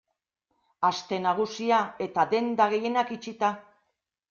Aste Nagusia eta denda gehienak itxita.